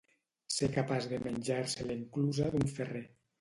Ser capaç de menjar-se l'enclusa d'un ferrer.